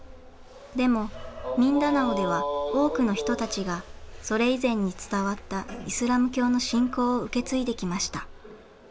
でもミンダナオでは多くの人たちがそれ以前に伝わったイスラム教の信仰を受け継いできました。